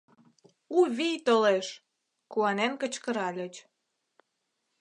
У вий толеш!— куанен кычкыральыч.